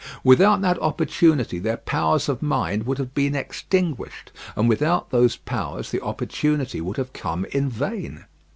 Without that opportunity their powers of mind would have been extinguished, and without those powers the opportunity would have come in vain.